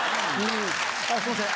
ああすいません。